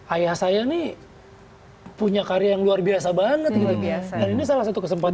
ayah saya nih punya karya yang luar biasa banget gitu dan ini salah satu kesempatan